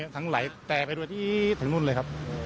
ทั้งไหลแตกไปด้วยที่ทางนู้นเลยครับ